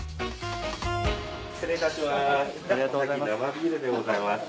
失礼いたします。